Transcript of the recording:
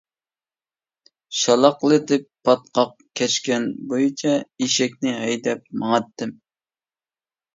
شالاقلىتىپ پاتقاق كەچكەن بويىچە ئېشەكنى ھەيدەپ ماڭاتتىم.